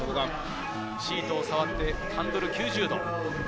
シートを触ってハンドル９０度。